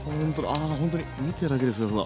ああほんとに見てるだけでフワフワ。